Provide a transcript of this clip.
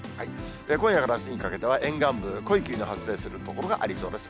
今夜からあすにかけては、沿岸部、濃い霧の発生する所がありそうです。